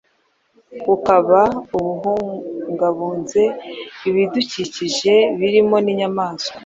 ukaba ubungabunze ibidukikije birimo n’inyamaswa.